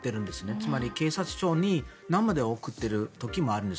つまり警察署に生で送っている時もあるんです。